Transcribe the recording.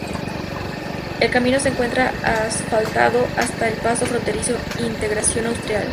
El camino se encuentra asfaltado hasta el Paso Fronterizo Integración Austral.